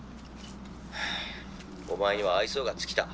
「はぁお前には愛想が尽きた。